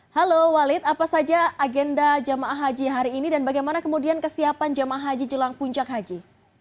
halo walid apa saja agenda jamaah haji hari ini dan bagaimana kemudian kesiapan jemaah haji jelang puncak haji